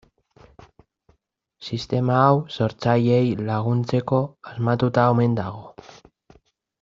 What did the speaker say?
Sistema hau sortzaileei laguntzeko asmatuta omen dago.